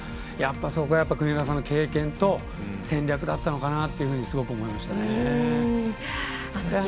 そこはやっぱり国枝さんの経験と戦略だったのかなというふうにすごく思いましたね。